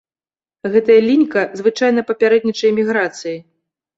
Гэтая лінька звычайна папярэднічае міграцыі.